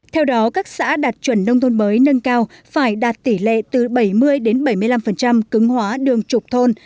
theo đó các xã đạt chuẩn nông thôn mới nâng cao phải đạt tỷ lệ từ bảy mươi đến bảy mươi năm cứng hóa đường trục thôn